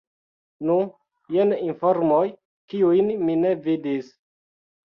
Nu, jen informoj, kiujn mi ne vidis.